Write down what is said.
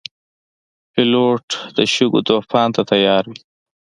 پیلوټ د شګو طوفان ته تیار وي.